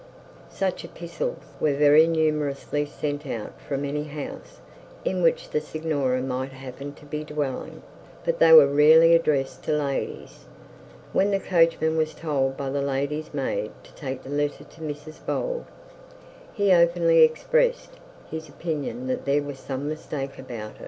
Such epistles were very numerously sent out from any house in which the signora might happen to be dwelling, but they were rarely addressed to ladies. When the coachman was told by the lady's maid to take the letter to Mrs Bold, he openly expressed his opinion that there was some mistake about it.